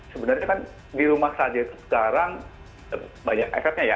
sebenarnya kan di rumah saja itu sekarang banyak efeknya ya